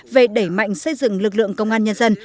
về đẩy mạnh xây dựng lực lượng công an nhân dân